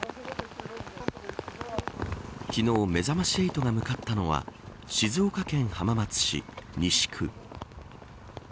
昨日めざまし８が向かったのは静岡県浜松市西区。